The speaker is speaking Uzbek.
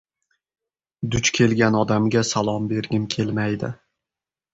Duch kelgan odamga salom bergim kelmaydi.